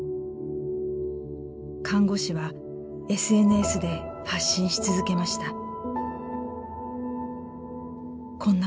看護師はＳＮＳで発信し続けました。